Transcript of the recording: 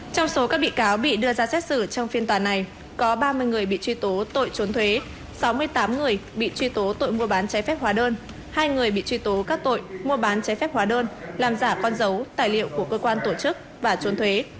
trong số các bị cáo bị đưa ra xét xử trong phiên tòa này có ba mươi người bị truy tố tội trốn thuế sáu mươi tám người bị truy tố tội mua bán trái phép hóa đơn hai người bị truy tố các tội mua bán trái phép hóa đơn làm giả con dấu tài liệu của cơ quan tổ chức và trốn thuế